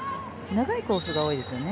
長いコースが多いですよね。